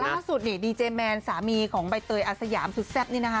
ล่าสุดนี่ดีเจแมนสามีของใบเตยอาสยามสุดแซ่บนี่นะคะ